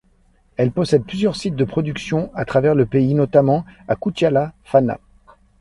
Elle possède plusieurs sites de production à travers le pays, notamment à Koutiala, Fana.